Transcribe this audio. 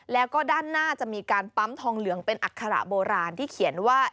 แล้วก็ด้านหน้าจะมีการปั๊มทองเหลืองเป็นอัคระโบราณที่เขียนว่า